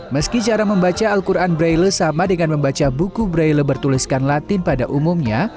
meski cara membaca al quran braille sama dengan membaca buku braille bertuliskan latin pada umumnya